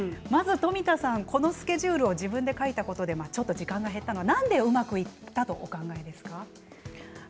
このスケジュールを自分で書いたことでちょっと時間が減ったのは何でうまくいったとお考えですか。